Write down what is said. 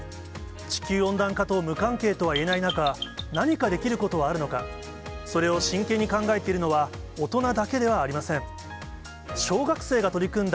地球温暖化と無関係とはいえない中、何かできることはあるのか、それを真剣に考えているのは、大人だけではありません。